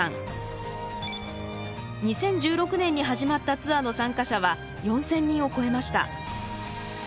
２０１６年に始まったツアーの参加者は４，０００人を超えました。